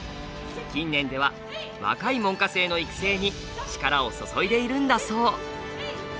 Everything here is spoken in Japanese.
近年では若い門下生の育成に力を注いでいるんだそう。